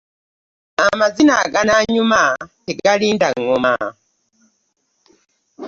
Amazina aganaanyuma tegalinda ngoma.